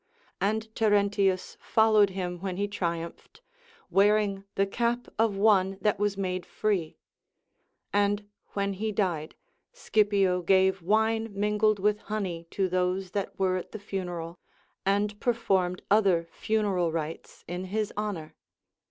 And Terentius followed him when he triumphed, wearing the cap of one that was made free ; and when he died, Scipio gave wine mingled with honey to those that were at the funeral, and performed other funeral rites in his' honor.